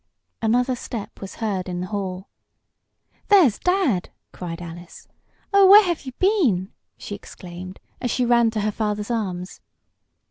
Another step was heard in the hall. "There's dad!" cried Alice. "Oh, where have you been?" she exclaimed, as she ran to her father's arms.